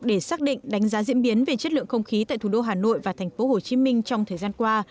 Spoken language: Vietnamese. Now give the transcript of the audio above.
để xác định đánh giá diễn biến về chất lượng không khí tại thủ đô hà nội và thành phố hồ chí minh trong thời gian qua